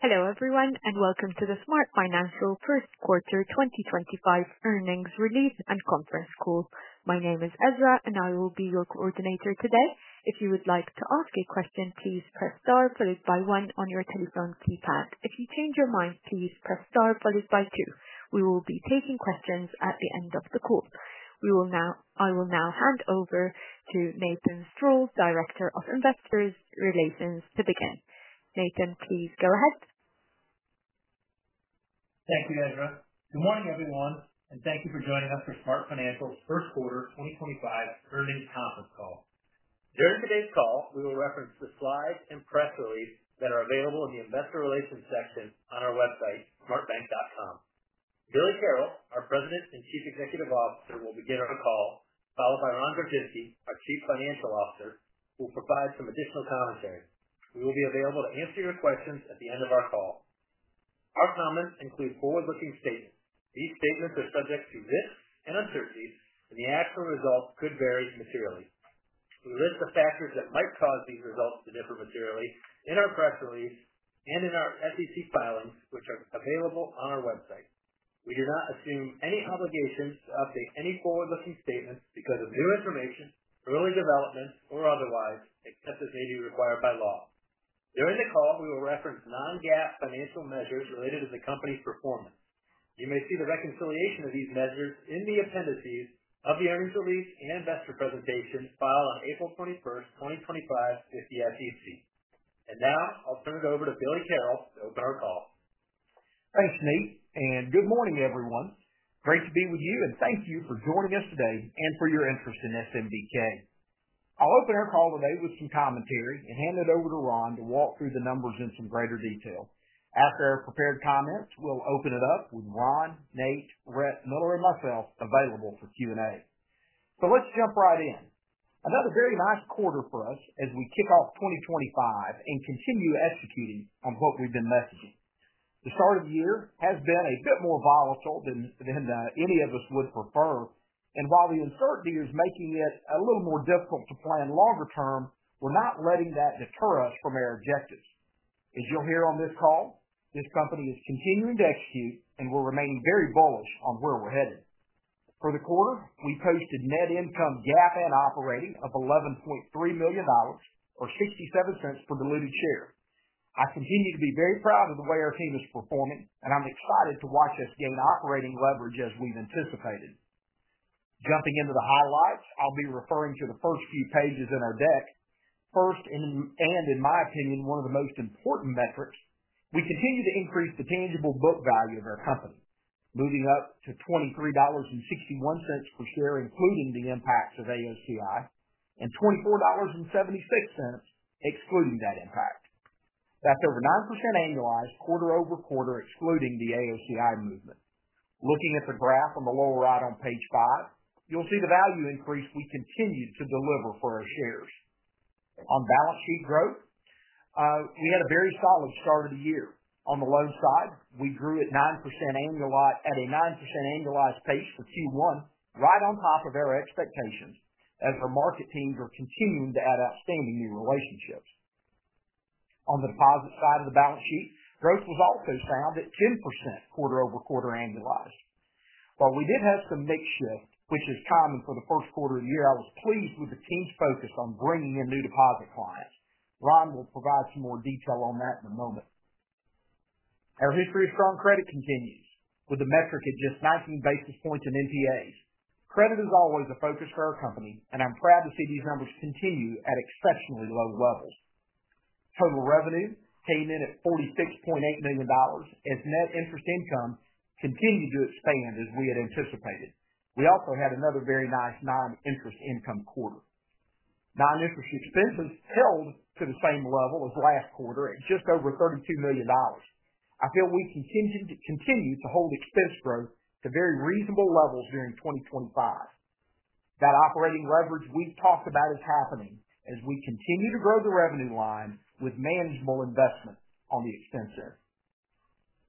Hello everyone, and welcome to the SmartFinancial Q1 2025 earnings release and conference call. My name is Ezra, and I will be your coordinator today. If you would like to ask a question, please press star followed by one on your telephone keypad. If you change your mind, please press star followed by two. We will be taking questions at the end of the call. I will now hand over to Nathan Strall, Director of Investor Relations, to begin. Nathan, please go ahead. Thank you, Ezra. Good morning, everyone, and thank you for joining us for SmartFinancial Q1 2025 earnings conference call. During today's call, we will reference the slides and press release that are available in the Investor Relations section on our website, smartbank.com. Billy Carroll, our President and Chief Executive Officer, will begin our call, followed by Ron Gorczynski, our Chief Financial Officer, who will provide some additional commentary. We will be available to answer your questions at the end of our call. Our comments include forward-looking statements. These statements are subject to risks and uncertainties, and the actual results could vary materially. We list the factors that might cause these results to differ materially in our press release and in our SEC filings, which are available on our website. We do not assume any obligations to update any forward-looking statements because of new information, early developments, or otherwise, except as may be required by law. During the call, we will reference non-GAAP financial measures related to the company's performance. You may see the reconciliation of these measures in the appendices of the earnings release and investor presentation filed on April 21st, 2025, with the SEC. I will turn it over to Billy Carroll to open our call. Thanks, Nate. Good morning, everyone. Great to be with you, and thank you for joining us today and for your interest in SMBK. I'll open our call today with some commentary and hand it over to Ron to walk through the numbers in some greater detail. After our prepared comments, we'll open it up with Ron, Nate, Rhett, Miller, and myself available for Q&A. Let's jump right in. Another very nice quarter for us as we kick off 2025 and continue executing on what we've been messaging. The start of the year has been a bit more volatile than any of us would prefer, and while the uncertainty is making it a little more difficult to plan longer term, we're not letting that deter us from our objectives. As you'll hear on this call, this company is continuing to execute and we're remaining very bullish on where we're headed. For the quarter, we posted net income GAAP and operating of $11.3 million, or $0.67 per diluted share. I continue to be very proud of the way our team is performing, and I'm excited to watch us gain operating leverage as we've anticipated. Jumping into the highlights, I'll be referring to the first few pages in our deck. First, and in my opinion, one of the most important metrics, we continue to increase the tangible book value of our company, moving up to $23.61 per share, including the impacts of AOCI, and $24.76 excluding that impact. That's over 9% annualized quarter over quarter, excluding the AOCI movement. Looking at the graph on the lower right on page five, you'll see the value increase we continue to deliver for our shares. On balance sheet growth, we had a very solid start of the year. On the loan side, we grew at a 9% annualized pace for Q1, right on top of our expectations as our market teams are continuing to add outstanding new relationships. On the deposit side of the balance sheet, growth was also found at 10% quarter over quarter annualized. While we did have some mixed shift, which is common for the first quarter of the year, I was pleased with the team's focus on bringing in new deposit clients. Ron will provide some more detail on that in a moment. Our history of strong credit continues, with the metric at just 19 basis points in NPAs. Credit is always a focus for our company, and I'm proud to see these numbers continue at exceptionally low levels. Total revenue came in at $46.8 million as net interest income continued to expand as we had anticipated. We also had another very nice non-interest income quarter. Non-interest expenses held to the same level as last quarter at just over $32 million. I feel we continue to hold expense growth to very reasonable levels during 2025. That operating leverage we've talked about is happening as we continue to grow the revenue line with manageable investment on the expense end.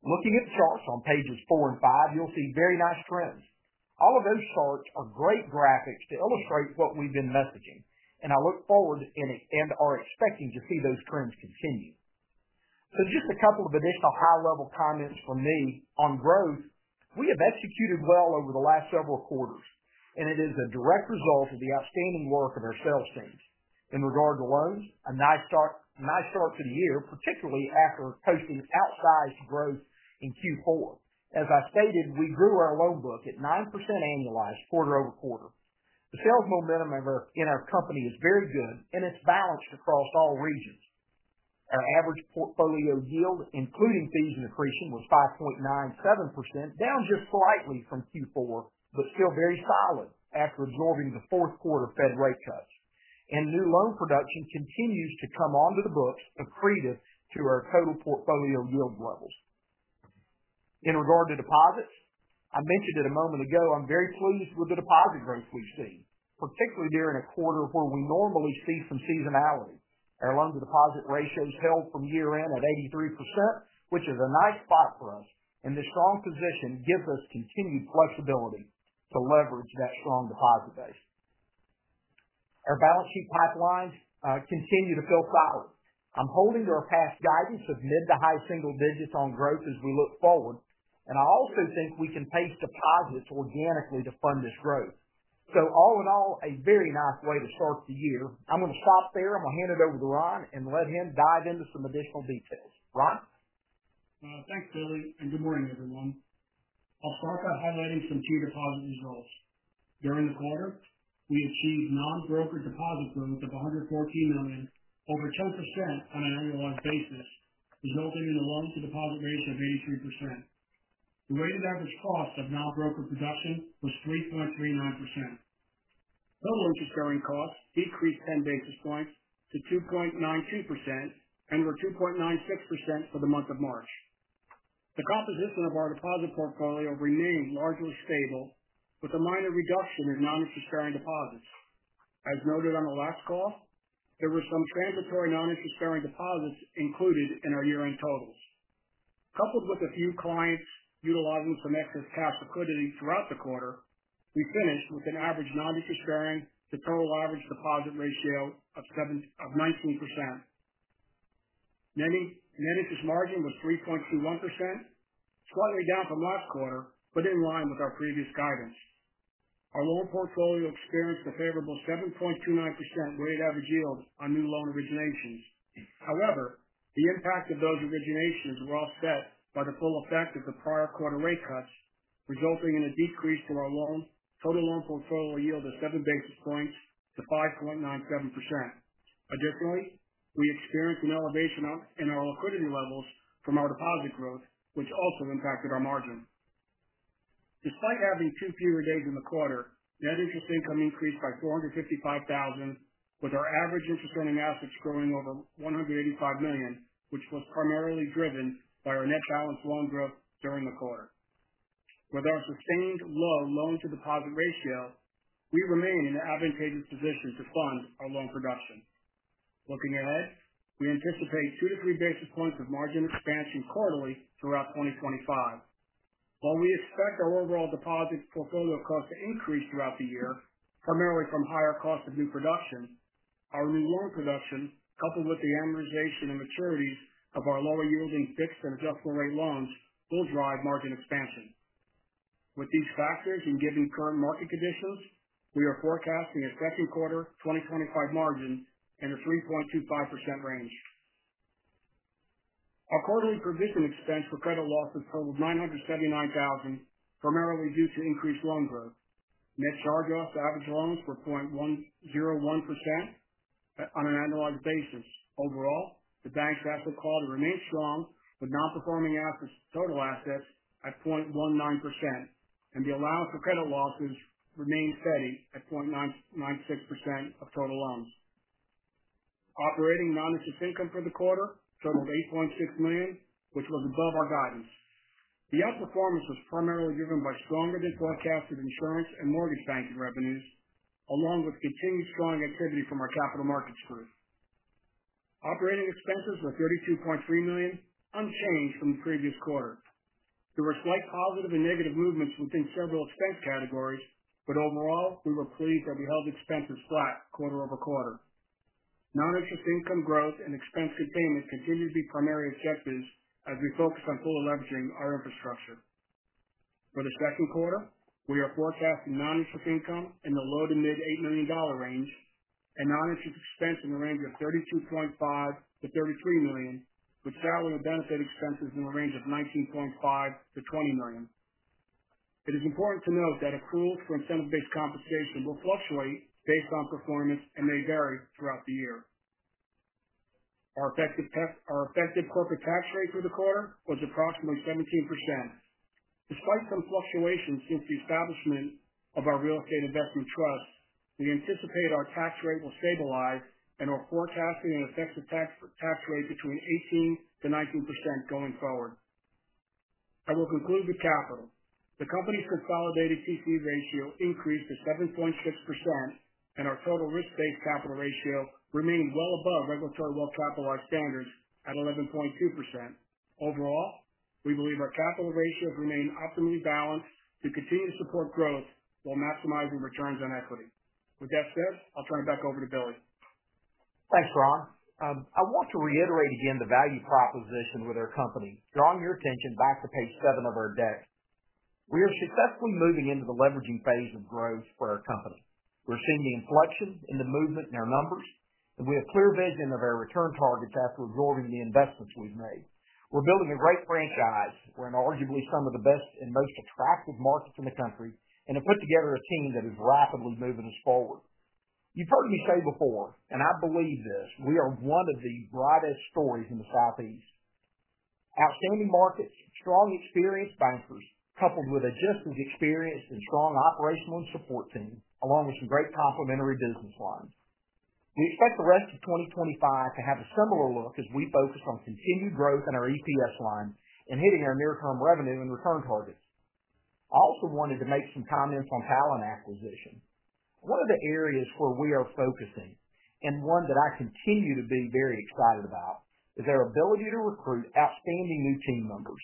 Looking at the charts on pages four and five, you'll see very nice trends. All of those charts are great graphics to illustrate what we've been messaging, and I look forward and are expecting to see those trends continue. Just a couple of additional high-level comments from me on growth. We have executed well over the last several quarters, and it is a direct result of the outstanding work of our sales teams. In regard to loans, a nice start to the year, particularly after posting outsized growth in Q4. As I stated, we grew our loan book at 9% annualized quarter over quarter. The sales momentum in our company is very good, and it's balanced across all regions. Our average portfolio yield, including fees and accretion, was 5.97%, down just slightly from Q4, but still very solid after absorbing the fourth quarter Fed rate cuts. New loan production continues to come onto the books, accretive to our total portfolio yield levels. In regard to deposits, I mentioned it a moment ago, I'm very pleased with the deposit growth we've seen, particularly during a quarter where we normally see some seasonality. Our loan-to-deposit ratios held from year-end at 83%, which is a nice spot for us, and this strong position gives us continued flexibility to leverage that strong deposit base. Our balance sheet pipelines continue to feel solid. I'm holding to our past guidance of mid to high single digits on growth as we look forward, and I also think we can pace deposits organically to fund this growth. All in all, a very nice way to start the year. I'm going to stop there. I'm going to hand it over to Ron and let him dive into some additional details. Ron? Thanks, Billy, and good morning, everyone. I'll start by highlighting some key deposit results. During the quarter, we achieved non-broker deposit growth of $114 million, over 10% on an annualized basis, resulting in a loan-to-deposit ratio of 83%. The rated average cost of non-broker production was 3.39%. Total interest-bearing costs decreased 10 basis points to 2.92% and were 2.96% for the month of March. The composition of our deposit portfolio remained largely stable, with a minor reduction in non-interest-bearing deposits. As noted on the last call, there were some transitory non-interest-bearing deposits included in our year-end totals. Coupled with a few clients utilizing some excess cash liquidity throughout the quarter, we finished with an average non-interest-bearing to total average deposit ratio of 19%. Net interest margin was 3.21%, slightly down from last quarter, but in line with our previous guidance. Our loan portfolio experienced a favorable 7.29% rate of average yield on new loan originations. However, the impact of those originations was offset by the full effect of the prior quarter rate cuts, resulting in a decrease to our total loan portfolio yield of 7 basis points to 5.97%. Additionally, we experienced an elevation in our liquidity levels from our deposit growth, which also impacted our margin. Despite having two fewer days in the quarter, net interest income increased by $455,000, with our average interest-earning assets growing over $185 million, which was primarily driven by our net balance loan growth during the quarter. With our sustained low loan-to-deposit ratio, we remain in an advantageous position to fund our loan production. Looking ahead, we anticipate 2-3 basis points of margin expansion quarterly throughout 2025. While we expect our overall deposit portfolio costs to increase throughout the year, primarily from higher cost of new production, our new loan production, coupled with the amortization and maturities of our lower-yielding fixed and adjustable-rate loans, will drive margin expansion. With these factors and given current market conditions, we are forecasting a second quarter 2025 margin in the 3.25% range. Our quarterly provision expense for credit losses totaled $979,000, primarily due to increased loan growth. Net charge-off to average loans were 0.101% on an annualized basis. Overall, the bank's asset quality remains strong with non-performing total assets at 0.19%, and the allowance for credit losses remained steady at 0.96% of total loans. Operating non-interest income for the quarter totaled $8.6 million, which was above our guidance. The outperformance was primarily driven by stronger-than-forecasted insurance and mortgage banking revenues, along with continued strong activity from our capital markets group. Operating expenses were $32.3 million, unchanged from the previous quarter. There were slight positive and negative movements within several expense categories, but overall, we were pleased that we held expenses flat quarter over quarter. Non-interest income growth and expense containment continue to be primary objectives as we focus on fully leveraging our infrastructure. For the second quarter, we are forecasting non-interest income in the low to mid $8 million range, and non-interest expense in the range of $32.5 million-$33 million, with salary and benefit expenses in the range of $19.5 million-$20 million. It is important to note that accruals for incentive-based compensation will fluctuate based on performance and may vary throughout the year. Our effective corporate tax rate for the quarter was approximately 17%. Despite some fluctuations since the establishment of our real estate investment trust, we anticipate our tax rate will stabilize and are forecasting an effective tax rate between 18%-19% going forward. I will conclude with capital. The company's consolidated TC ratio increased to 7.6%, and our total risk-based capital ratio remained well above regulatory well-capitalized standards at 11.2%. Overall, we believe our capital ratios remain optimally balanced to continue to support growth while maximizing returns on equity. With that said, I'll turn it back over to Billy. Thanks, Ron. I want to reiterate again the value proposition with our company. Drawing your attention back to page seven of our deck, we are successfully moving into the leveraging phase of growth for our company. We're seeing the inflection in the movement in our numbers, and we have clear vision of our return targets after absorbing the investments we've made. We're building a great franchise. We're in arguably some of the best and most attractive markets in the country, and have put together a team that is rapidly moving us forward. You've heard me say before, and I believe this, we are one of the brightest stories in the Southeast. Outstanding markets, strong experienced bankers, coupled with a just as experienced and strong operational and support team, along with some great complementary business lines. We expect the rest of 2025 to have a similar look as we focus on continued growth in our EPS line and hitting our near-term revenue and return targets. I also wanted to make some comments on talent acquisition. One of the areas where we are focusing, and one that I continue to be very excited about, is our ability to recruit outstanding new team members.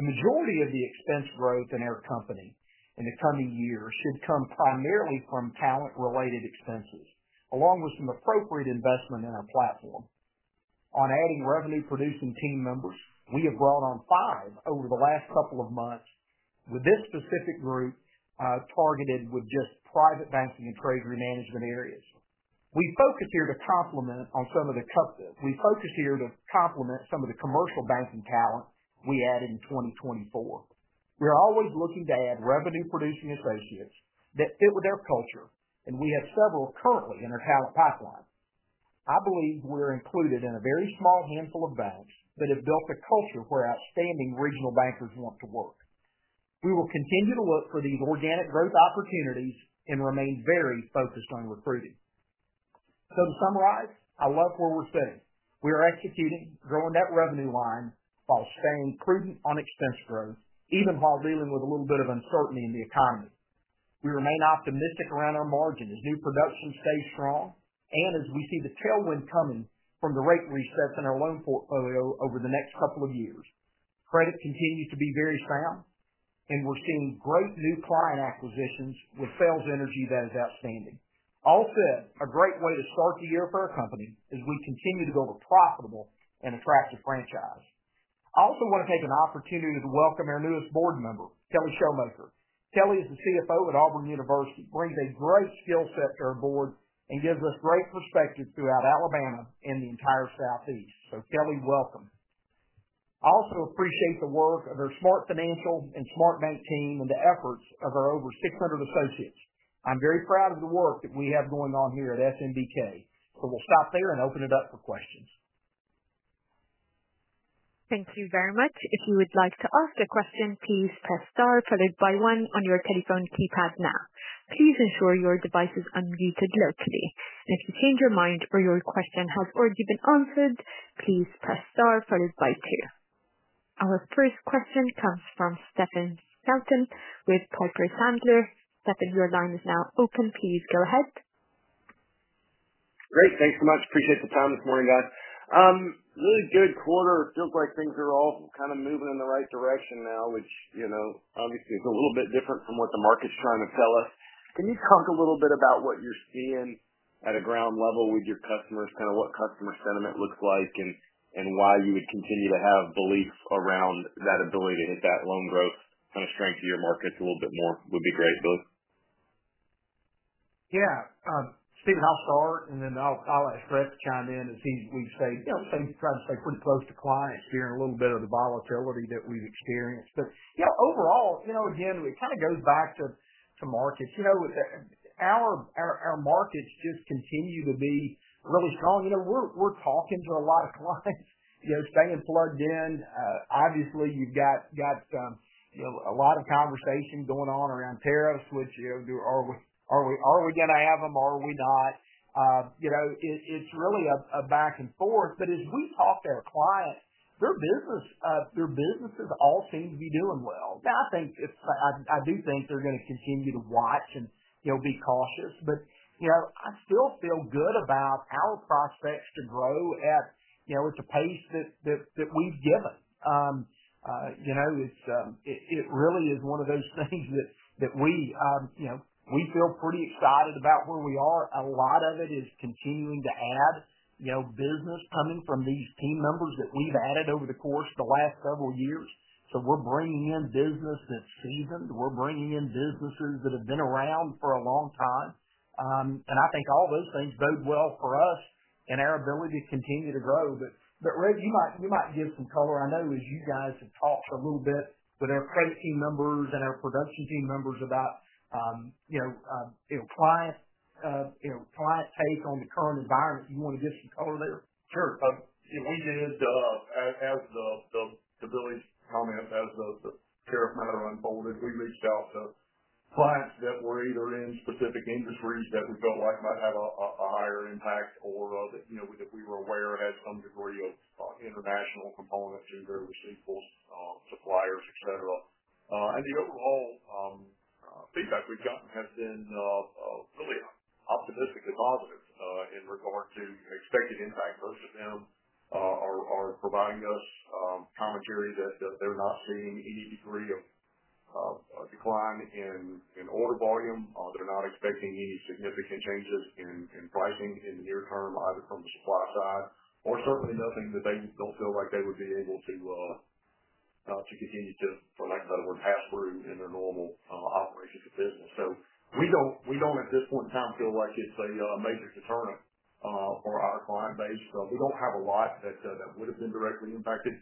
The majority of the expense growth in our company in the coming years should come primarily from talent-related expenses, along with some appropriate investment in our platform. On adding revenue-producing team members, we have brought on five over the last couple of months with this specific group targeted with just private banking and treasury management areas. We focus here to complement some of the commercial banking talent we added in 2024. We are always looking to add revenue-producing associates that fit with our culture, and we have several currently in our talent pipeline. I believe we're included in a very small handful of banks that have built a culture where outstanding regional bankers want to work. We will continue to look for these organic growth opportunities and remain very focused on recruiting. To summarize, I love where we're sitting. We are executing, growing that revenue line while staying prudent on expense growth, even while dealing with a little bit of uncertainty in the economy. We remain optimistic around our margin as new production stays strong and as we see the tailwind coming from the rate resets in our loan portfolio over the next couple of years. Credit continues to be very sound, and we're seeing great new client acquisitions with sales energy that is outstanding. All said, a great way to start the year for our company as we continue to build a profitable and attractive franchise. I also want to take an opportunity to welcome our newest board member, Kelli Shomaker. Kelli is the CFO at Auburn University, brings a great skill set to our board, and gives us great perspective throughout Alabama and the entire Southeast. Kelli, welcome. I also appreciate the work of our SmartFinancial and SmartBank team and the efforts of our over 600 associates. I'm very proud of the work that we have going on here at SMBK. We'll stop there and open it up for questions. Thank you very much. If you would like to ask a question, please press star followed by one on your telephone keypad now. Please ensure your device is unmuted locally. If you change your mind or your question has already been answered, please press star followed by two. Our first question comes from Stephen Scouten with Piper Sandler. Stephen, your line is now open. Please go ahead. Great. Thanks so much. Appreciate the time this morning, guys. Really good quarter. It feels like things are all kind of moving in the right direction now, which obviously is a little bit different from what the market's trying to tell us. Can you talk a little bit about what you're seeing at a ground level with your customers, kind of what customer sentiment looks like, and why you would continue to have belief around that ability to hit that loan growth kind of strength of your markets a little bit more would be great, Billy? Yeah. Stephen, I'll start, and then I'll let Rhett chime in as we've tried to stay pretty close to clients during a little bit of the volatility that we've experienced. Overall, again, it kind of goes back to markets. Our markets just continue to be really strong. We're talking to a lot of clients, staying plugged in. Obviously, you've got a lot of conversation going on around tariffs, which are we going to have them or are we not? It's really a back and forth. As we talk to our clients, their businesses all seem to be doing well. Now, I do think they're going to continue to watch and be cautious, but I still feel good about our prospects to grow at the pace that we've given. It really is one of those things that we feel pretty excited about where we are. A lot of it is continuing to add business coming from these team members that we've added over the course of the last several years. We're bringing in business that's seasoned. We're bringing in businesses that have been around for a long time. I think all those things bode well for us and our ability to continue to grow. Rhett, you might give some color. I know as you guys have talked a little bit with our credit team members and our production team members about client take on the current environment. Do you want to give some color there? Sure. We did, as Billy's comment, as the tariff matter unfolded, we reached out to clients that were either in specific industries that we felt like might have a higher impact or that we were aware had some degree of international components in their receivables, suppliers, etc. The overall feedback we've gotten has been really optimistically positive in regard to expected impact. Most of them are providing us commentary that they're not seeing any degree of decline in order volume. They're not expecting any significant changes in pricing in the near term, either from the supply side or certainly nothing that they don't feel like they would be able to continue to, for lack of a better word, pass through in their normal operations of business. We don't, at this point in time, feel like it's a major deterrent for our client base. We don't have a lot that would have been directly impacted.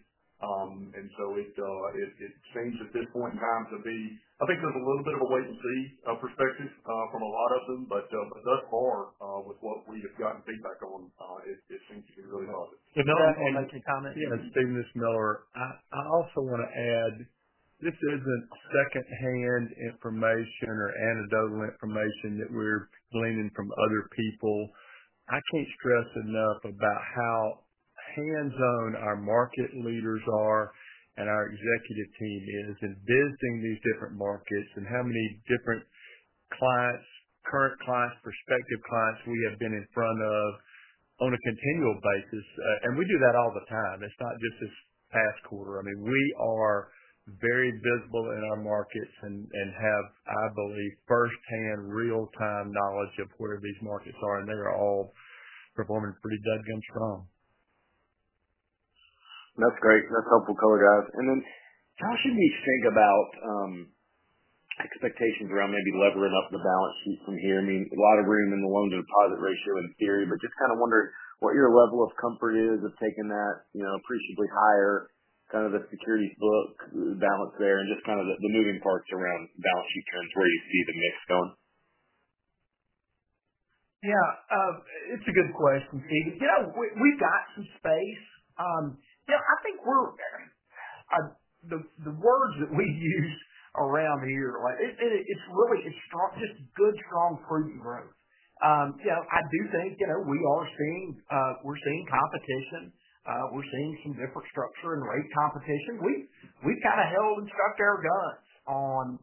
It seems at this point in time to be, I think there's a little bit of a wait-and-see perspective from a lot of them, but thus far, with what we have gotten feedback on, it seems to be really positive. I can comment. Yeah. Stephen this is Miller, I also want to add this isn't secondhand information or anecdotal information that we're gleaning from other people. I can't stress enough about how hands-on our market leaders are and our executive team is in visiting these different markets and how many different clients, current clients, prospective clients we have been in front of on a continual basis. We do that all the time. It's not just this past quarter. I mean, we are very visible in our markets and have, I believe, firsthand real-time knowledge of where these markets are, and they are all performing pretty doggone strong. That's great. That's helpful color, guys. How should we think about expectations around maybe levering up the balance sheet from here? I mean, a lot of room in the loan-to-deposit ratio in theory, but just kind of wondering what your level of comfort is of taking that appreciably higher, kind of the securities book balance there and just kind of the moving parts around balance sheet trends, where you see the mix going. Yeah. It's a good question, Steven. We've got some space. I think the words that we use around here, it's really just good, strong, prudent growth. I do think we are seeing competition. We're seeing some different structure and rate competition. We've kind of held and stuck our guns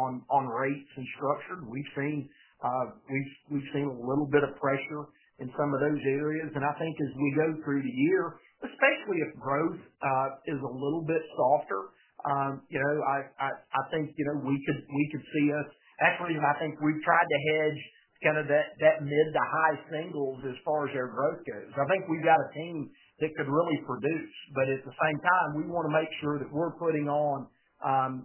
on rates and structure. We've seen a little bit of pressure in some of those areas. I think as we go through the year, especially if growth is a little bit softer, I think we could see us actually, I think we've tried to hedge kind of that mid to high singles as far as our growth goes. I think we've got a team that could really produce, but at the same time, we want to make sure that we're putting on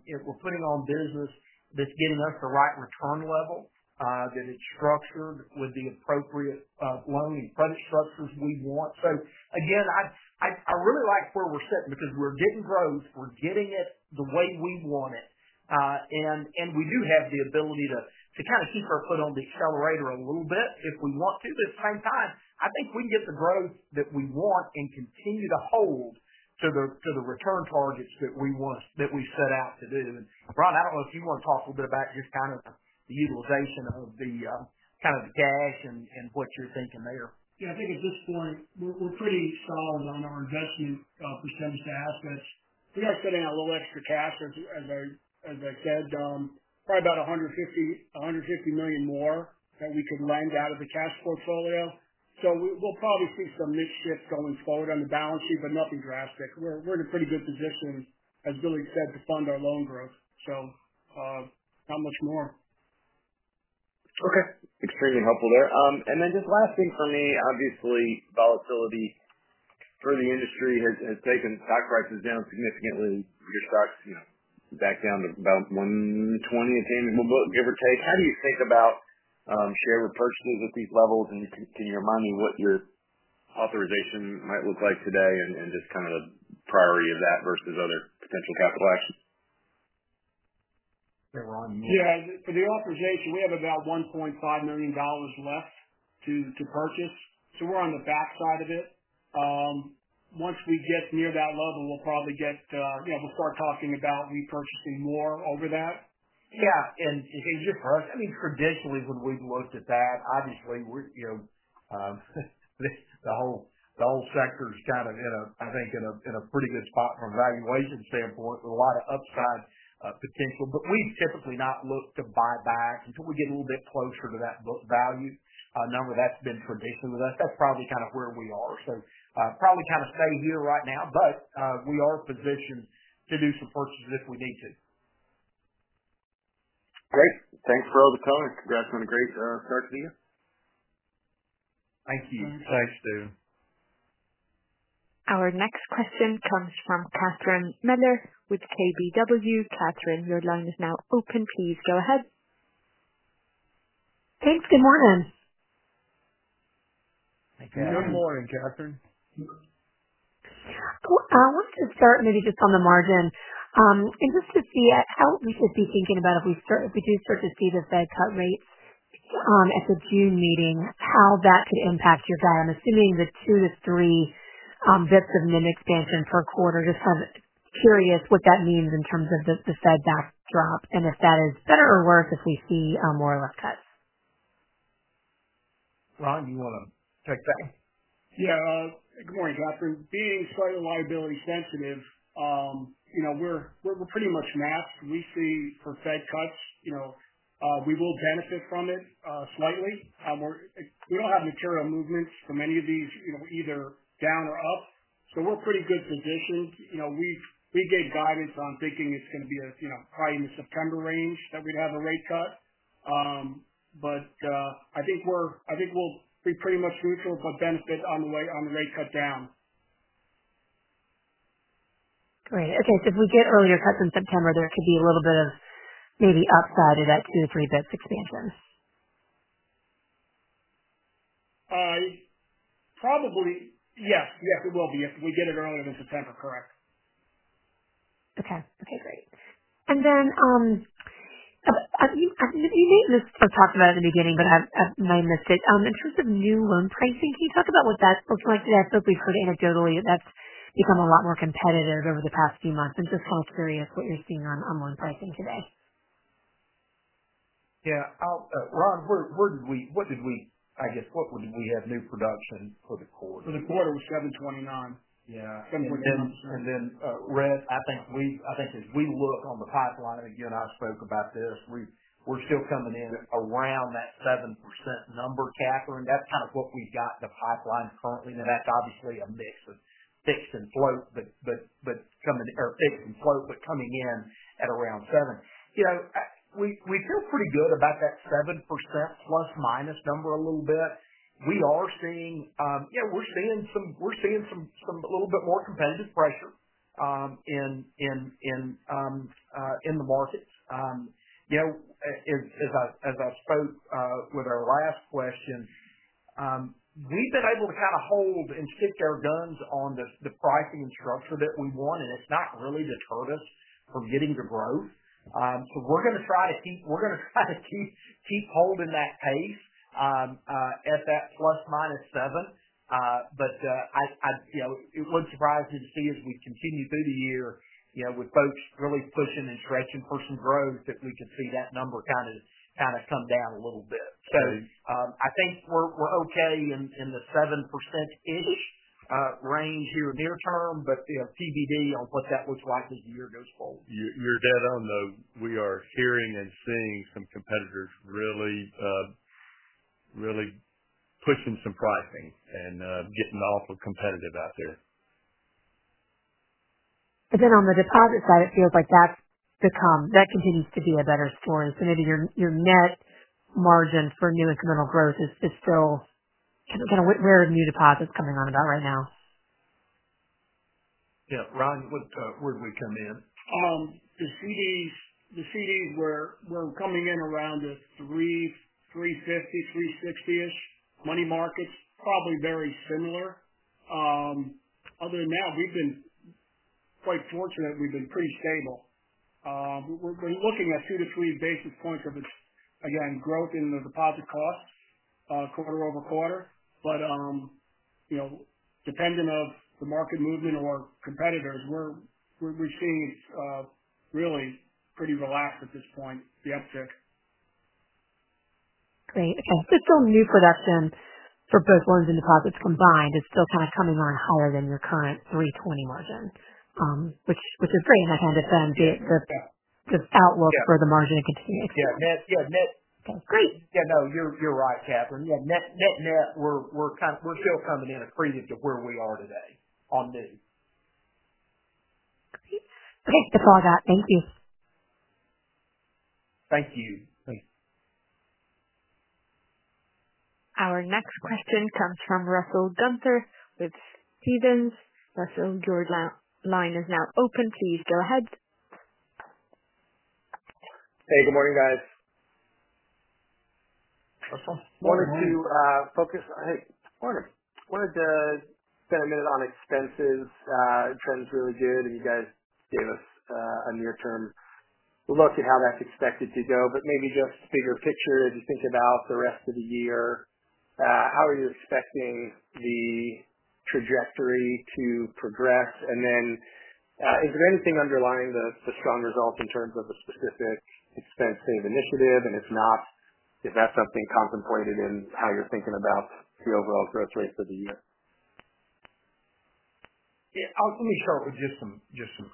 business that's getting us the right return level, that it's structured with the appropriate loan and credit structures we want. I really like where we're sitting because we're getting growth. We're getting it the way we want it. We do have the ability to kind of keep our foot on the accelerator a little bit if we want to. At the same time, I think we can get the growth that we want and continue to hold to the return targets that we set out to do. Ron, I don't know if you want to talk a little bit about just kind of the utilization of kind of the cash and what you're thinking there. Yeah. I think at this point, we're pretty solid on our investment percentage to assets. We are setting out a little extra cash, as I said, probably about $150 million more that we could lend out of the cash portfolio. We'll probably see some mixed shift going forward on the balance sheet, but nothing drastic. We're in a pretty good position, as Billy said, to fund our loan growth. Not much more. Okay. Extremely helpful there. Then just last thing for me, obviously, volatility for the industry has taken stock prices down significantly. Your stock's back down to about $20.10, give or take. How do you think about share repurchases at these levels? Can you remind me what your authorization might look like today and just kind of the priority of that versus other potential capital actions? Yeah. For the authorization, we have about $1.5 million left to purchase. We're on the backside of it. Once we get near that level, we'll probably start talking about repurchasing more over that. Yeah. For us, I mean, traditionally, when we've looked at that, obviously, the whole sector is kind of, I think, in a pretty good spot from a valuation standpoint with a lot of upside potential. We've typically not looked to buy back until we get a little bit closer to that book value number. That's been traditionally with us. That's probably kind of where we are. Probably kind of stay here right now, but we are positioned to do some purchases if we need to. Great. Thanks for all the color. Congrats on a great start to the year. Thank you. Thanks, Steven. Our next question comes from Catherine Mealor with KBW. Catherine, your line is now open. Please go ahead. Thanks. Good morning. Good morning, Catherine. I wanted to start maybe just on the margin and just to see how we should be thinking about if we do start to see the Fed cut rates at the June meeting, how that could impact your guide. I'm assuming the two to three basis points of NIM expansion per quarter. Just kind of curious what that means in terms of the Fed backdrop and if that is better or worse if we see more left cuts. Ron, you want to take that? Yeah. Good morning, Catherine. Being slightly liability sensitive, we're pretty much matched. We see for Fed cuts, we will benefit from it slightly. We don't have material movements from any of these either down or up. So we're pretty good positioned. We gave guidance on thinking it's going to be probably in the September range that we'd have a rate cut. I think we'll be pretty much neutral but benefit on the way on the rate cut down. Great. Okay. If we get earlier cuts in September, there could be a little bit of maybe upside of that two to three basis points expansion. Probably. Yes. Yes, it will be if we get it earlier than September. Correct. Okay. Okay. Great. You may have missed what I was talking about in the beginning, but I may have missed it. In terms of new loan pricing, can you talk about what that looks like today? I feel like we've heard anecdotally that that's become a lot more competitive over the past few months. I'm just kind of curious what you're seeing on loan pricing today. Yeah. Ron, what did we, I guess, what did we have new production for the quarter? For the quarter, it was 7.29. Yeah. 7.29%. Rhett, I think as we look on the pipeline, and again, I spoke about this, we're still coming in around that 7% number, Catherine. That's kind of what we've got in the pipeline currently. Now, that's obviously a mix of fixed and float, but coming in at around 7%. We feel pretty good about that 7% plus minus number a little bit. We are seeing some a little bit more competitive pressure in the markets. As I spoke with our last question, we've been able to kind of hold and stick our guns on the pricing and structure that we want, and it's not really deterred us from getting the growth. We are going to try to keep holding that pace at that plus minus 7%. It would not surprise me to see as we continue through the year with folks really pushing and stretching for some growth that we could see that number kind of come down a little bit. I think we are okay in the 7%-ish range here near term, but TBD on what that looks like as the year goes forward. You're dead on, though. We are hearing and seeing some competitors really pushing some pricing and getting awful competitive out there. On the deposit side, it feels like that continues to be a better story. Maybe your net margin for new incremental growth is still kind of where are new deposits coming on about right now? Yeah. Ron, where do we come in? The CDs were coming in around the 350, 360-ish. Money markets, probably very similar. Other than that, we've been quite fortunate. We've been pretty stable. We're looking at two to three basis points of, again, growth in the deposit costs quarter over quarter. Depending on the market movement or competitors, we're seeing it's really pretty relaxed at this point, the uptick. Great. Okay. Still, new production for both loans and deposits combined is still kind of coming on higher than your current 320 margin, which is great. That kind of then be the outlook for the margin to continue to expand. Yeah. Yeah. Net. Okay. Great. Yeah. No, you're right, Catherine. Yeah. Net net, we're still coming in a pretty good to where we are today on new. Great. Okay. That's all I got. Thank you. Thank you. Our next question comes from Russell Gunther with Stephens. Russell, your line is now open. Please go ahead. Hey. Good morning, guys. Wanted to focus on, hey, wanted to spend a minute on expenses. Trend's really good, and you guys gave us a near-term look at how that's expected to go. Maybe just bigger picture, as you think about the rest of the year, how are you expecting the trajectory to progress? Is there anything underlying the strong results in terms of a specific expensive initiative? If not, is that something contemplated in how you're thinking about the overall growth rate for the year? Yeah. Let me start with just some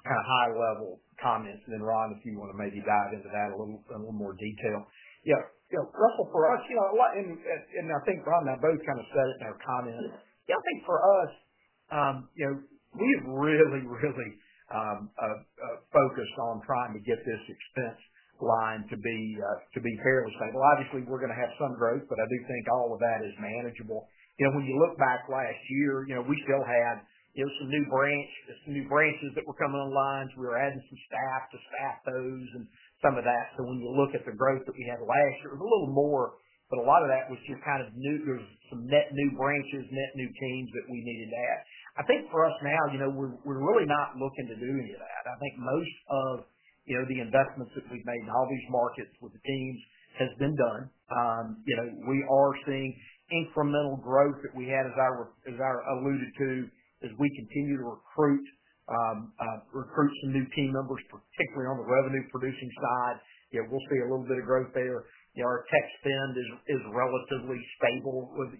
kind of high-level comments. Ron, if you want to maybe dive into that a little more detail. Yeah. Russell, for us, and I think Ron and I both kind of said it in our comments. Yeah. I think for us, we have really, really focused on trying to get this expense line to be fairly stable. Obviously, we're going to have some growth, but I do think all of that is manageable. When you look back last year, we still had some new branches that were coming online. We were adding some staff to staff those and some of that. When you look at the growth that we had last year, it was a little more, but a lot of that was just kind of new. There was some net new branches, net new teams that we needed to add. I think for us now, we're really not looking to do any of that. I think most of the investments that we've made in all these markets with the teams has been done. We are seeing incremental growth that we had, as I alluded to, as we continue to recruit some new team members, particularly on the revenue-producing side. We'll see a little bit of growth there. Our tech spend is relatively stable with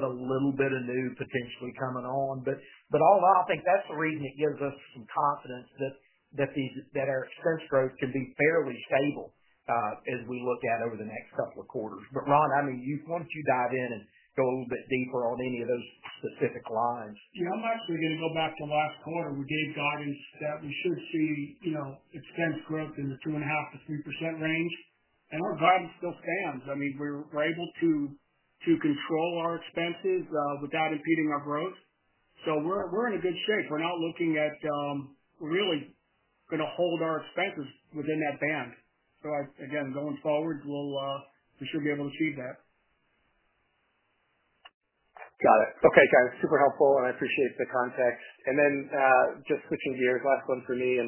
a little bit of new potentially coming on. All in all, I think that's the reason it gives us some confidence that our expense growth can be fairly stable as we look at over the next couple of quarters. Ron, I mean, once you dive in and go a little bit deeper on any of those specific lines. Yeah. I'm actually going to go back to last quarter. We gave guidance that we should see expense growth in the 2.5%-3% range. I mean, our guidance still stands. I mean, we're able to control our expenses without impeding our growth. We're in a good shape. We're not looking at, we're really going to hold our expenses within that band. Again, going forward, we should be able to achieve that. Got it. Okay. Super helpful, and I appreciate the context. Just switching gears, last one for me.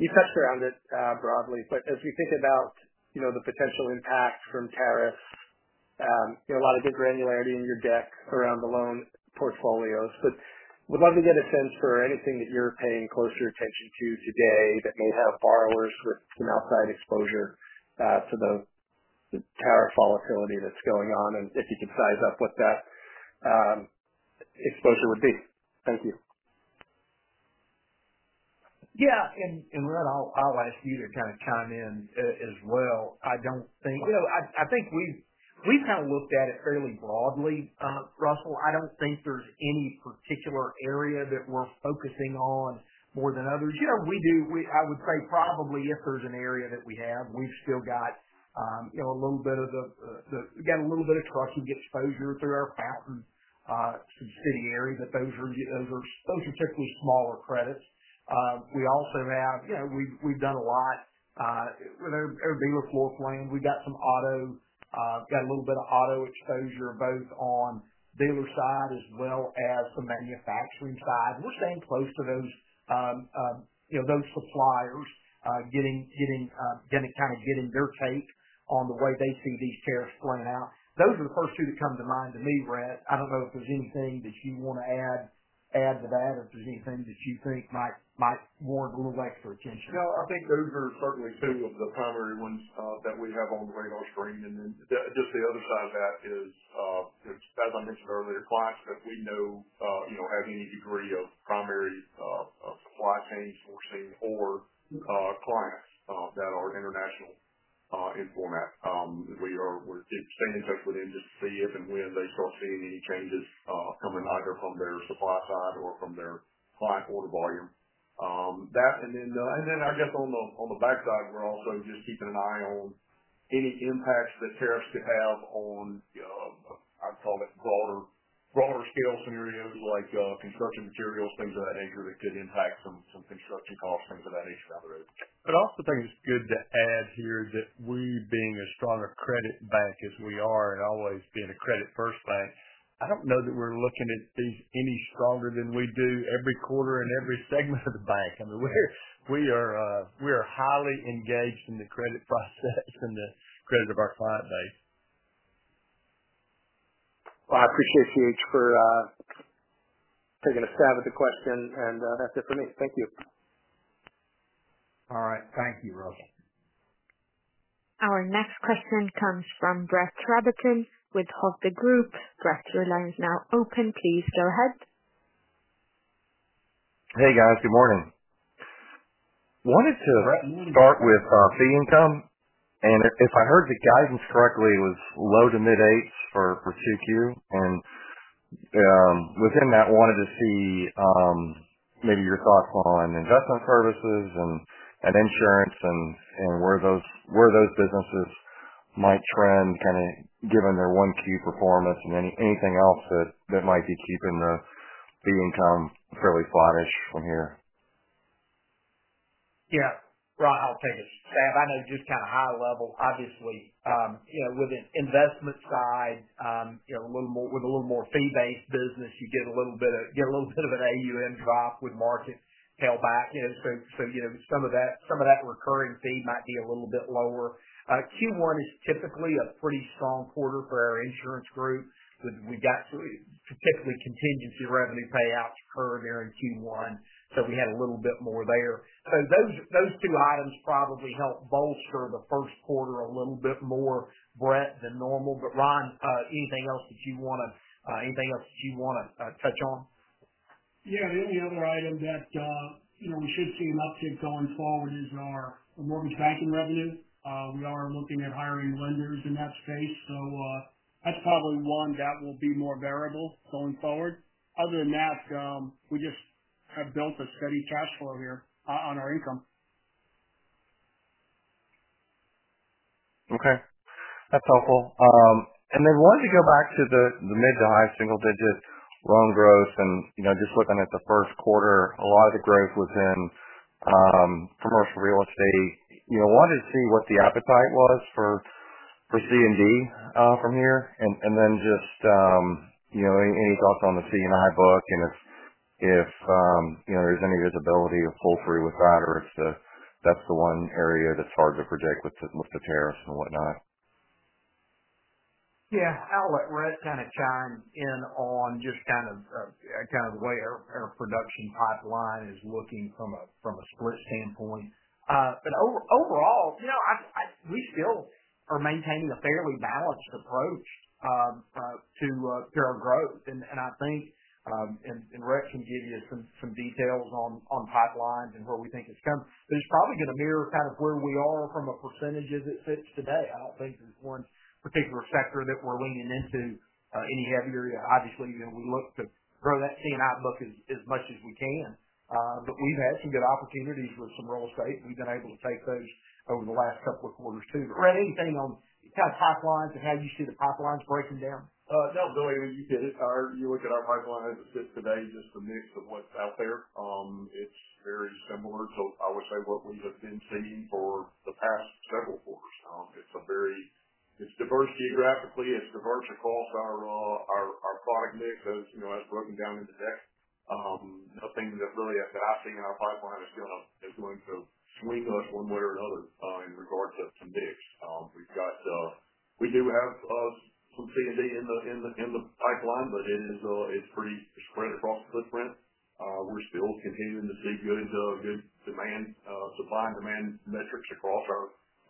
You touched around it broadly, but as we think about the potential impact from tariffs, a lot of good granularity in your deck around the loan portfolios. Would love to get a sense for anything that you're paying closer attention to today that may have borrowers with some outside exposure to the tariff volatility that's going on, and if you could size up what that exposure would be. Thank you. Yeah. Rhett, I'll ask you to kind of chime in as well. I don't think we've kind of looked at it fairly broadly, Russell. I don't think there's any particular area that we're focusing on more than others. We do, I would say, probably if there's an area that we have, we've still got a little bit of the, we've got a little bit of trust and get exposure through our Fountain subsidiary, but those are typically smaller credits. We also have, we've done a lot with our dealer floor plan. We've got some auto, got a little bit of auto exposure both on dealer side as well as the manufacturing side. We're staying close to those suppliers, getting their take on the way they see these tariffs playing out. Those are the first two that come to mind to me, Rhett. I don't know if there's anything that you want to add to that or if there's anything that you think might warrant a little extra attention. No. I think those are certainly two of the primary ones that we have on the radar screen. Then just the other side of that is, as I mentioned earlier, clients that we know have any degree of primary supply chain sourcing or clients that are international in format. We're staying in touch with them just to see if and when they start seeing any changes coming either from their supply side or from their client order volume. That. I guess on the backside, we're also just keeping an eye on any impacts that tariffs could have on, I'd call it, broader scale scenarios like construction materials, things of that nature that could impact some construction costs, things of that nature down the road. I also think it's good to add here that we, being a stronger credit bank as we are and always being a credit-first bank, I don't know that we're looking at these any stronger than we do every quarter in every segment of the bank. I mean, we are highly engaged in the credit process and the credit of our client base. I appreciate you, H, for taking a stab at the question, and that's it for me. Thank you. All right. Thank you, Russell. Our next question comes from Brett Rabatin with Hovde Group. Brett, your line is now open. Please go ahead. Hey, guys. Good morning. Wanted to start with fee income. If I heard the guidance correctly, it was low to mid-eights for 2Q. Within that, wanted to see maybe your thoughts on investment services and insurance and where those businesses might trend kind of given their 1Q performance and anything else that might be keeping the fee income fairly flattish from here. Yeah. Ron, I'll take a stab. I know just kind of high level, obviously, with an investment side, with a little more fee-based business, you get a little bit of an AUM drop with market tail back. Some of that recurring fee might be a little bit lower. Q1 is typically a pretty strong quarter for our insurance group. We've got typically contingency revenue payouts occur there in Q1. We had a little bit more there. Those two items probably help bolster the first quarter a little bit more, Brett, than normal. Ron, anything else that you want to touch on? Yeah. The only other item that we should see an uptick going forward is our mortgage banking revenue. We are looking at hiring lenders in that space. That is probably one that will be more variable going forward. Other than that, we just have built a steady cash flow here on our income. Okay. That's helpful. I wanted to go back to the mid to high single-digit loan growth. Just looking at the first quarter, a lot of the growth was in commercial real estate. I wanted to see what the appetite was for C&D from here. Just any thoughts on the C&I book and if there's any visibility of poultry with that or if that's the one area that's hard to predict with the tariffs and whatnot. Yeah. I'll let Rhett kind of chime in on just kind of the way our production pipeline is looking from a split standpoint. Overall, we still are maintaining a fairly balanced approach to our growth. I think, and Rhett can give you some details on pipelines and where we think it's coming, but it's probably going to mirror kind of where we are from a percentage as it sits today. I don't think there's one particular sector that we're leaning into any heavier. Obviously, we look to grow that C&I book as much as we can. We've had some good opportunities with some real estate. We've been able to take those over the last couple of quarters too. Rhett, anything on kind of pipelines and how you see the pipelines breaking down? No, Billy, you did it. You look at our pipeline as it sits today, just the mix of what's out there. It's very similar. I would say what we have been seeing for the past several quarters. It's diverse geographically. It's diverse across our product mix as broken down into deck. Nothing that really that I've seen in our pipeline is going to swing us one way or another in regard to mix. We do have some C&D in the pipeline, but it's pretty spread across the footprint. We're still continuing to see good supply and demand metrics across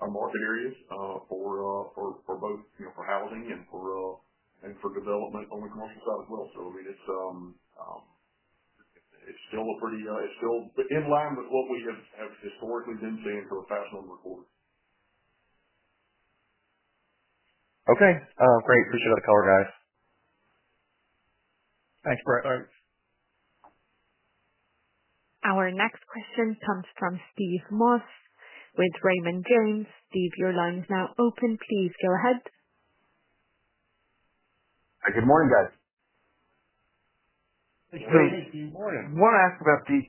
our market areas for both housing and for development on the commercial side as well. I mean, it's still a pretty it's still in line with what we have historically been seeing for the past number of quarters. Okay. Great. Appreciate all the call, guys. Thanks, Brett. All right. Our next question comes from Steve Moss with Raymond James. Steve, your line is now open. Please go ahead. Good morning, guys. Hey, Steve. Good morning. I want to ask about the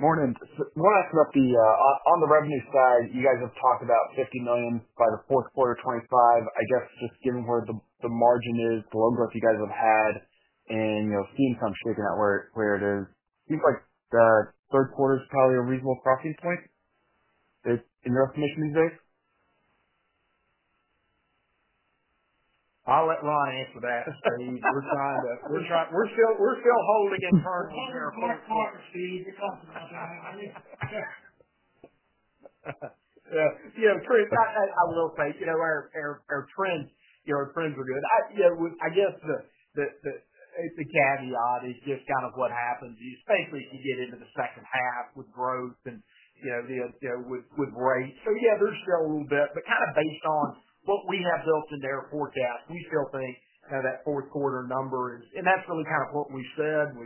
morning. I want to ask about the on the revenue side, you guys have talked about $50 million by the fourth quarter 2025. I guess just given where the margin is, the loan growth you guys have had and seeing some shaking out where it is, seems like the third quarter is probably a reasonable crossing point in your estimation these days. I'll let Ron answer that. We're trying to, we're still holding it currently in our quarter-over-quarter speed. Yeah. I'm curious. I will say our trends are good. I guess the caveat is just kind of what happens, especially as you get into the second half with growth and with rates. Yeah, there's still a little bit. Kind of based on what we have built in our forecast, we still think that fourth quarter number is, and that's really kind of what we said.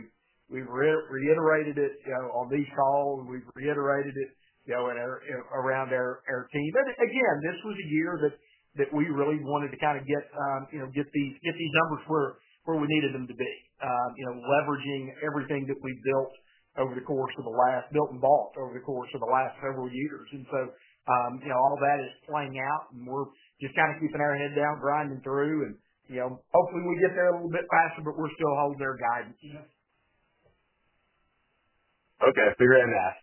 We've reiterated it on these calls. We've reiterated it around our team. Again, this was a year that we really wanted to kind of get these numbers where we needed them to be, leveraging everything that we built and bought over the course of the last several years. All that is playing out, and we're just kind of keeping our head down, grinding through. Hopefully, we get there a little bit faster, but we're still holding our guidance. Okay. I figured I'd ask.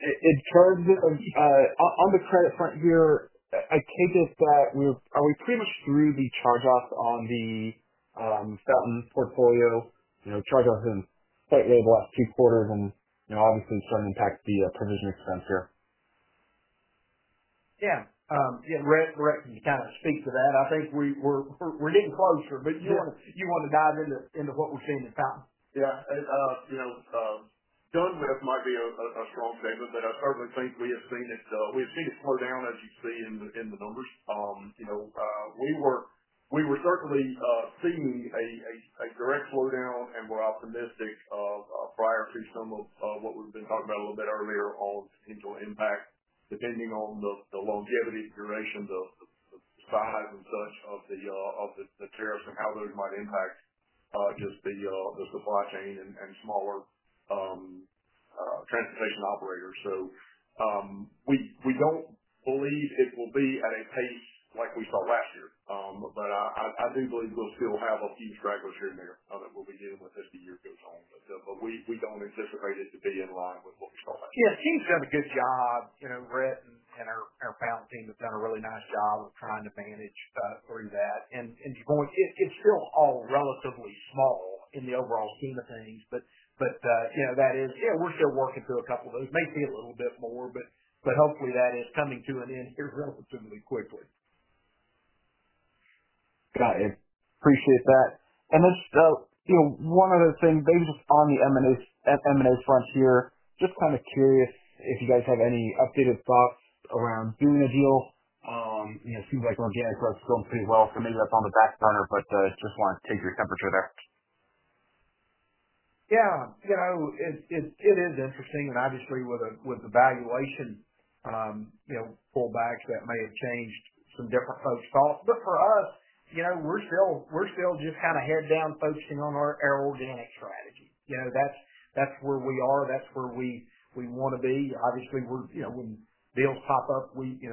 In terms of on the credit front here, I take it that we're, are we pretty much through the charge-offs on the Fountain portfolio? Charge-offs in slightly over the last two quarters and obviously starting to impact the provision expense here. Yeah. Yeah. Rhett can kind of speak to that. I think we're getting closer, but you want to dive into what we're seeing in Fountain? Yeah. Done with might be a strong statement, but I certainly think we have seen it slow down, as you see in the numbers. We were certainly seeing a direct slowdown, and we're optimistic prior to some of what we've been talking about a little bit earlier on potential impact, depending on the longevity, the duration, the size, and such of the tariffs and how those might impact just the supply chain and smaller transportation operators. We do not believe it will be at a pace like we saw last year. I do believe we'll still have a few stragglers here and there that we'll be dealing with as the year goes on. We do not anticipate it to be in line with what we saw last year. Yeah. Teams have a good job. Rhett and our Fountain team have done a really nice job of trying to manage through that. It is still all relatively small in the overall scheme of things, but that is, yeah, we are still working through a couple of those. May see a little bit more, but hopefully, that is coming to an end here relatively quickly. Got it. Appreciate that. Just one other thing, maybe just on the M&A front here, just kind of curious if you guys have any updated thoughts around doing a deal. Seems like organic growth's going pretty well, so maybe that's on the back burner, but just want to take your temperature there. Yeah. It is interesting. Obviously, with the valuation pullback, that may have changed some different folks' thoughts. For us, we're still just kind of head down focusing on our organic strategy. That's where we are. That's where we want to be. Obviously, when deals pop up, we get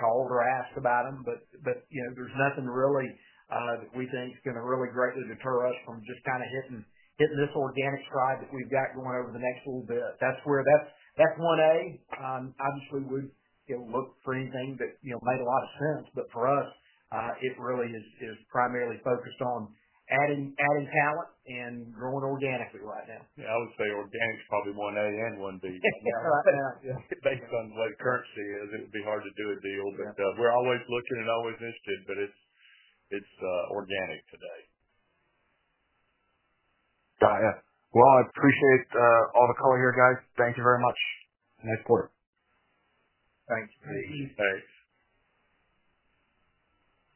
called or asked about them, but there's nothing really that we think is going to really greatly deter us from just kind of hitting this organic stride that we've got going over the next little bit. That's 1-A. Obviously, we'll look for anything that made a lot of sense, but for us, it really is primarily focused on adding talent and growing organically right now. Yeah. I would say organic's probably 1-A and 1-B. Right now. Yeah. Based on the way the currency is, it would be hard to do a deal, but we're always looking and always interested, but it's organic today. Got it. I appreciate all the call here, guys. Thank you very much. Nice quarter. Thanks. Thanks.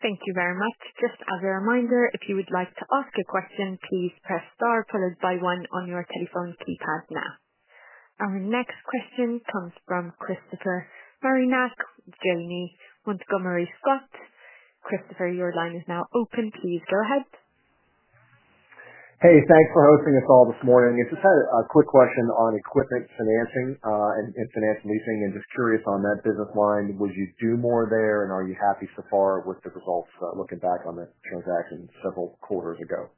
Thank you very much. Just as a reminder, if you would like to ask a question, please press star followed by one on your telephone keypad now. Our next question comes from Christopher Marinac, Janney Montgomery Scott. Christopher, your line is now open. Please go ahead. Hey, thanks for hosting us all this morning. I just had a quick question on equipment financing and finance leasing and just curious on that business line. Would you do more there, and are you happy so far with the results looking back on that transaction several quarters ago?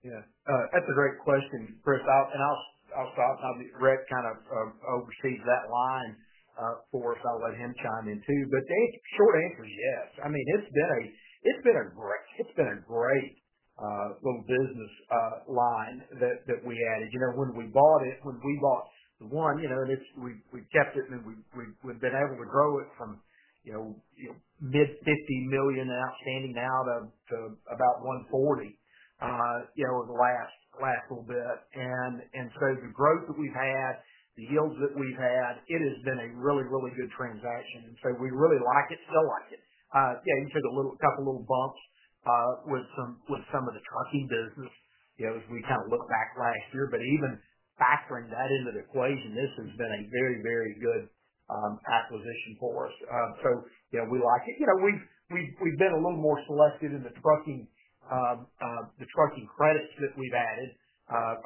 Yeah. That's a great question, Chris. I'll stop. Rhett kind of oversees that line for us. I'll let him chime in too. Short answer is yes. I mean, it's been a great little business line that we added. When we bought it, when we bought the one, and we've kept it, and we've been able to grow it from mid-$50 million in outstanding now to about $140 million over the last little bit. The growth that we've had, the yields that we've had, it has been a really, really good transaction. We really like it, still like it. Yeah. You took a couple little bumps with some of the trucking business as we kind of looked back last year. Even factoring that into the equation, this has been a very, very good acquisition for us. We like it. We've been a little more selective in the trucking credits that we've added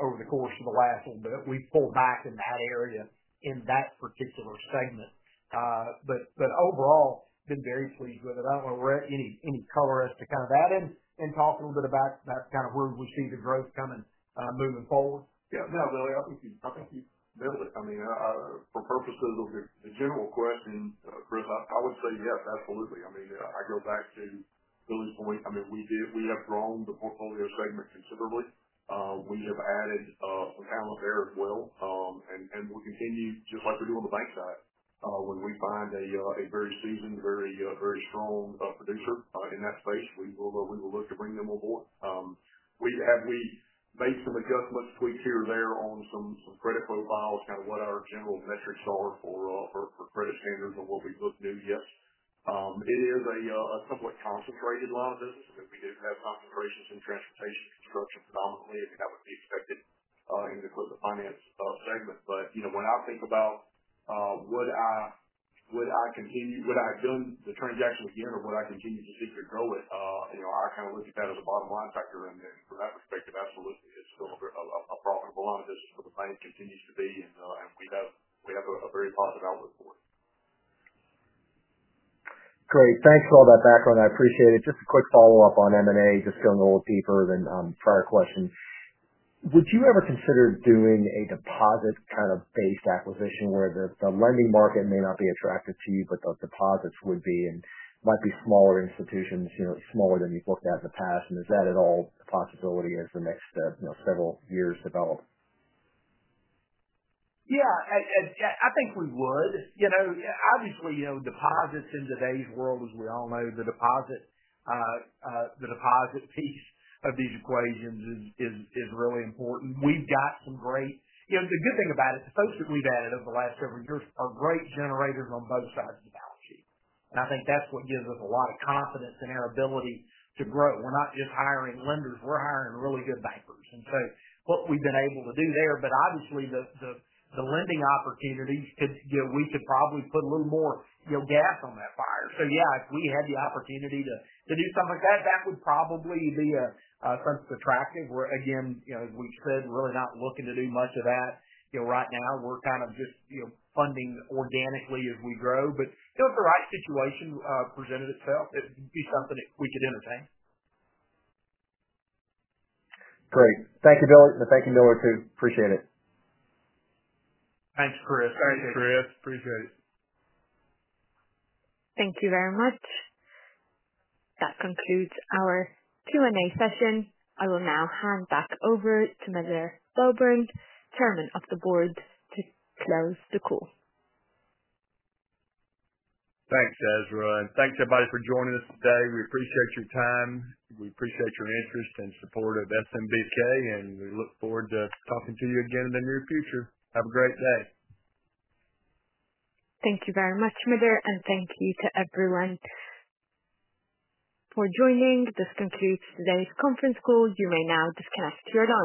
over the course of the last little bit. We've pulled back in that area in that particular segment. Overall, been very pleased with it. I don't know, Rhett, any color as to kind of add in and talk a little bit about kind of where we see the growth coming moving forward? Yeah. No, Billy, I think you nailed it. I mean, for purposes of the general question, Chris, I would say yes, absolutely. I mean, I go back to Billy's point. I mean, we have grown the portfolio segment considerably. We have added talent there as well. We'll continue, just like we do on the bank side. When we find a very seasoned, very strong producer in that space, we will look to bring them on board. We have made some adjustments, tweaks here or there on some credit profiles, kind of what our general metrics are for credit standards and what we look to do. Yes. It is a somewhat concentrated line of business, and we do have concentrations in transportation and construction predominantly, and that would be expected in the equipment finance segment. When I think about would I continue would I have done the transaction again, or would I continue to seek to grow it? I kind of look at that as a bottom-line factor. From that perspective, absolutely, it's still a profitable line of business for the bank, continues to be. We have a very positive outlook for it. Great. Thanks for all that background. I appreciate it. Just a quick follow-up on M&A, just going a little deeper than prior question. Would you ever consider doing a deposit kind of based acquisition where the lending market may not be attractive to you, but the deposits would be and might be smaller institutions, smaller than you've looked at in the past? Is that at all a possibility as the next several years develop? Yeah. I think we would. Obviously, deposits in today's world, as we all know, the deposit piece of these equations is really important. We've got some great—the good thing about it, the folks that we've added over the last several years are great generators on both sides of the balance sheet. I think that's what gives us a lot of confidence in our ability to grow. We're not just hiring lenders. We're hiring really good bankers. What we've been able to do there, obviously, the lending opportunities, we could probably put a little more gas on that fire. Yeah, if we had the opportunity to do something like that, that would probably be something attractive. Again, as we've said, really not looking to do much of that. Right now, we're kind of just funding organically as we grow. If the right situation presented itself, it would be something that we could entertain. Great. Thank you, Billy. Thank you, Miller, too. Appreciate it. Thanks, Chris. Thanks, Chris. Appreciate it. Thank you very much. That concludes our Q&A session. I will now hand back over to Miller Welborn, Chairman of the Board, to close the call. Thanks, Ezra. Thanks, everybody, for joining us today. We appreciate your time. We appreciate your interest and support of SMBK, and we look forward to talking to you again in the near future. Have a great day. Thank you very much, Miller, and thank you to everyone for joining. This concludes today's conference call. You may now disconnect.